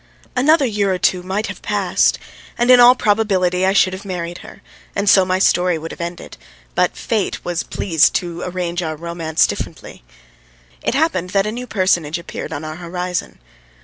Another year or two might have passed, and in all probability I should have married her, and so my story would have ended, but fate was pleased to arrange our romance differently. It happened that a new personage appeared on our horizon.